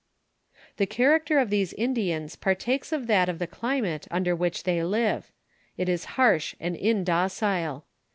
"The character of these Indians partakes of that of the climate under which they live. It is harsh and indocile.